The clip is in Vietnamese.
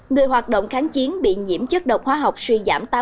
người hoạt động kháng chiến bị nhiễm chất độc hóa học suy giảm tám mươi một đặc biệt nạn